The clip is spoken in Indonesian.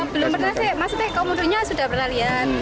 belum pernah sih maksudnya komodonya sudah berlalian